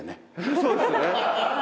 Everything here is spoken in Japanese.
そうですね。